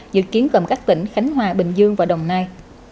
dự kiến gồm các tỉnh khánh hòa bình dương và đồng nai